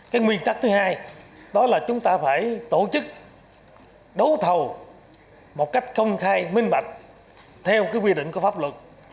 cái nguyên tắc thứ hai đó là chúng ta phải tổ chức đấu thầu một cách công khai minh bạch theo cái quy định của pháp luật